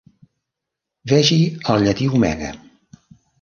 Vegi el llatí omega.